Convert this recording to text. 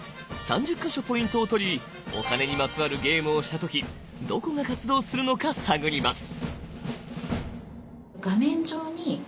３０か所ポイントを取りお金にまつわるゲームをした時どこが活動するのか探ります。